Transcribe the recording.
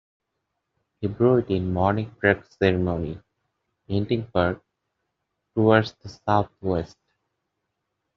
He is buried in Morningside Cemetery, Edinburgh, towards the south-west.